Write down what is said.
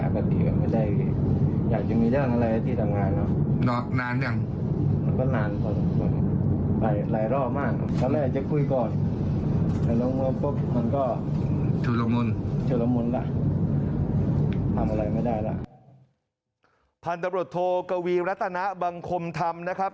พันธบริโธควีรัตนาบังคมธรรมนะครับ